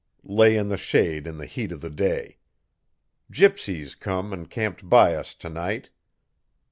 Lay in the shade in the heat of the day. Gypsies come an' camped by us tonight.